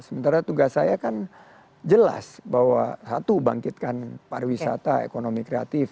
sementara tugas saya kan jelas bahwa satu bangkitkan pariwisata ekonomi kreatif